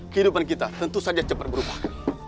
kehidupan kita tentu saja cepat berubah